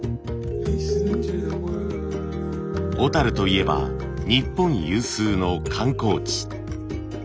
小といえば日本有数の観光地。